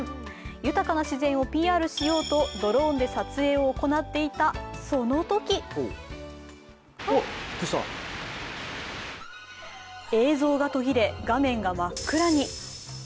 豊かな自然をＰＲしようと撮影を行っていたそのとき映像が途切れ、画面が真っ暗に。